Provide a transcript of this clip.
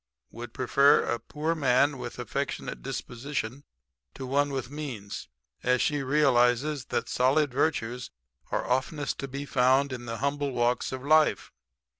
Would prefer a poor man with affectionate disposition to one with means, as she realizes that the solid virtues are oftenest to be found in the humble walks of life.